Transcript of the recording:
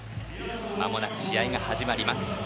まもなく試合が始まります。